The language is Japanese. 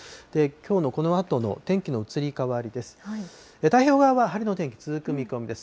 きょうのこのあとの天気の移り変わりです。